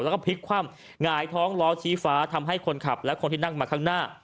แล้วก็พลิกคว่ำหงายท้องล้อชี้ฟ้าทำให้คนขับและคนที่นั่งมาข้างหน้า